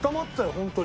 本当に。